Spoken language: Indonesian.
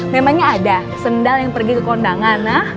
memangnya ada sendal yang pergi ke kondangan